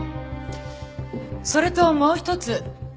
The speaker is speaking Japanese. それともう一つ。